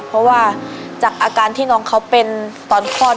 เพราะว่าจากอาการที่น้องเขาเป็นตอนคลอด